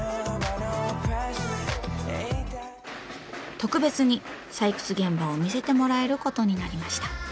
特別に採掘現場を見せてもらえることになりました。